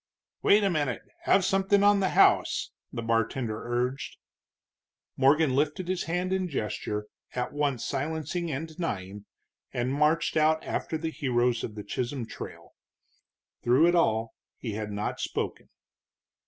"Wait a minute have something on the house," the bartender urged. Morgan lifted his hand in gesture at once silencing and denying, and marched out after the heroes of the Chisholm Trail. Through it all he had not spoken.